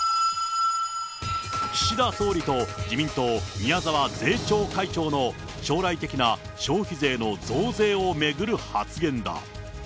岸田総理と自民党、宮沢税調会長の将来的な消費税の増税を巡る発言だ。